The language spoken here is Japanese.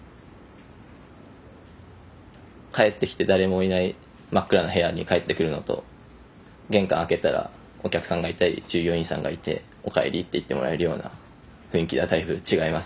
帰ってきて誰もいない真っ暗な部屋に帰ってくるのと玄関開けたらお客さんがいたり従業員さんがいて「おかえり」って言ってもらえるような雰囲気はだいぶ違いますね。